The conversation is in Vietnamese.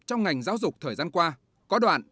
trong ngành giáo dục thời gian qua